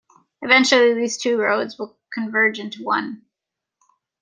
Eventually these two roads will converge into one.